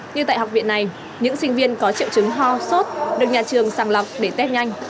như tại học viện này những sinh viên có triệu chứng ho sốt được nhà trường sàng lọc để test nhanh